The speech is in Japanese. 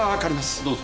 どうぞ。